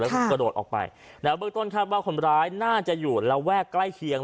แล้วก็กระโดดออกไปนะเบื้องต้นคาดว่าคนร้ายน่าจะอยู่ระแวกใกล้เคียง